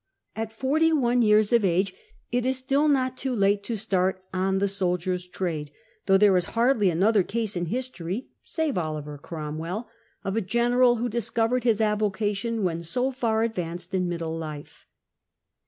At forty one years of age it is still not too late to start on the soldier's trade, though there is hardly another case in history, save Oliver Cromwell, ojf a general who dis covered his avocation when so far advanced in middle life.